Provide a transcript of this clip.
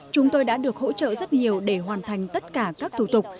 chúng tôi đã được hỗ trợ rất nhiều để hoàn thành tất cả các thủ tục